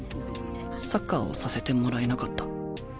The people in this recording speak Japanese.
サッカーをさせてもらえなかった。